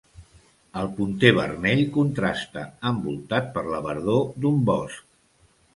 El punter vermell contrasta, envoltat per la verdor d'un bosc.